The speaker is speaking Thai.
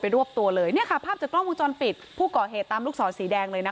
รวบตัวเลยเนี่ยค่ะภาพจากกล้องวงจรปิดผู้ก่อเหตุตามลูกศรสีแดงเลยนะคะ